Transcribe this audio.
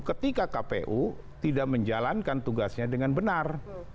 ketika kpu tidak menjalankan tugasnya dengan benar